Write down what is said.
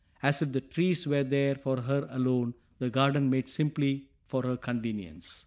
As if the trees were there for her alone, the garden made simply for her convenience!